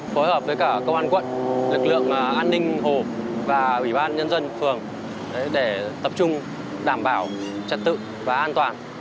phối hợp với cả công an quận lực lượng an ninh hồ và ủy ban nhân dân phường để tập trung đảm bảo trật tự và an toàn